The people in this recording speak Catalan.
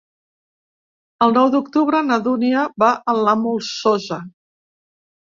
El nou d'octubre na Dúnia va a la Molsosa.